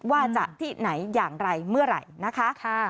ว่าจะที่ไหนอย่างไรเมื่อไหร่นะคะ